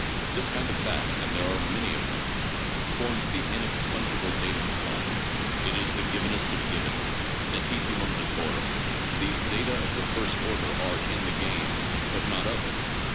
This kind of fact, and there are many of them, forms the inexpugnable datum of thought. It is the givenest of givens, datissimum datorwm. ... These data of the first order are in the game, but not of it.